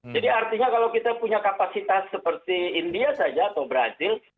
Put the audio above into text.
jadi artinya kalau kita punya kapasitas seperti india saja atau brazil